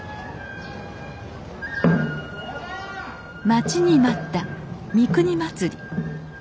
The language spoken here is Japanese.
待ちに待った三国祭。